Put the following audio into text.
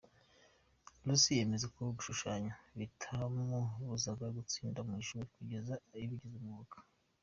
Rossi yemeza ko gushushanya bitamubuzaga gutsinda mu ishuri kugeza abigize umwuga.